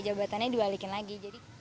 bebatannya diwalikin lagi